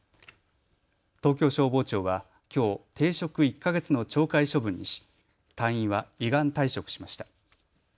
東京消防庁はきょう停職１か月の懲戒処分にし隊員は依願退職しました。